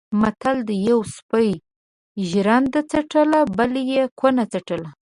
متل دی: یوه سپي ژرنده څټله بل یې کونه څټله.